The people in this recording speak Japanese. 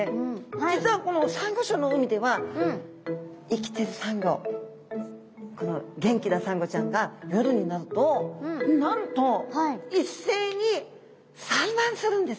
実はこのサンゴ礁の海では生きてるサンゴこの元気なサンゴちゃんが夜になるとなんと一斉に産卵するんですね。